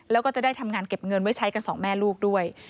แล้วก็จะได้ทำงานเก็บเงินไว้ใช้กันสองแม่ลูกด้วย